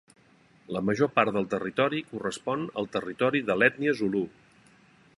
La major part del territori correspon al territori de l'ètnia zulu.